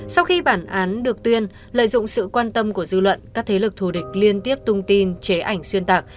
sau khi bản án được tuyên lợi dụng sự quan tâm của dư luận các thế lực thù địch liên tiếp tung tin chế ảnh xuyên tạc